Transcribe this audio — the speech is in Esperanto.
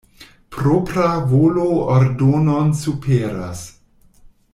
Propra volo ordonon superas.